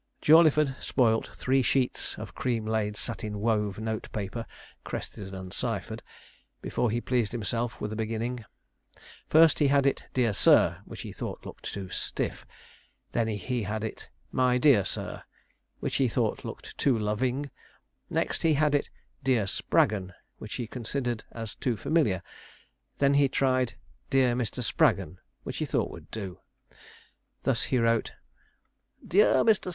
Jawleyford spoilt three sheets of cream laid satin wove note paper (crested and ciphered) before he pleased himself with a beginning. First he had it 'Dear Sir,' which he thought looked too stiff; then he had it 'My dear Sir,' which he thought looked too loving; next he had it 'Dear Spraggon,' which he considered as too familiar; and then he tried 'Dear Mr. Spraggon,' which he thought would do. Thus he wrote: 'DEAR MR.